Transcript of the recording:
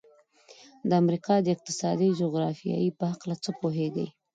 د امریکا د اقتصادي جغرافیې په هلکه څه پوهیږئ؟